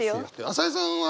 朝井さんは？